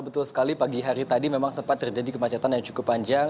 betul sekali pagi hari tadi memang sempat terjadi kemacetan yang cukup panjang